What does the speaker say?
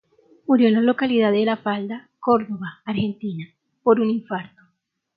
Murió en la localidad de La Falda, Córdoba, Argentina, por un infarto.